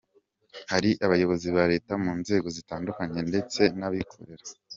Hari abayobozi ba Leta mu nzego zitandukanye ndetse n'abikorera.